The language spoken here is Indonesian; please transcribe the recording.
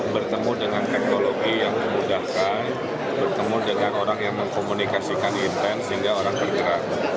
bertemu dengan teknologi yang memudahkan bertemu dengan orang yang mengkomunikasikan intens sehingga orang tergerak